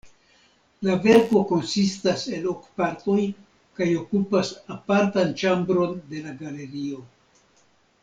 La verko konsistas el ok partoj kaj okupas apartan ĉambron de la galerio.